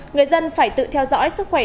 người dân phải tự theo dõi sức khỏe